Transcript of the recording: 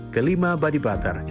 kelima body butter